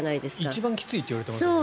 一番きついといわれてますよね。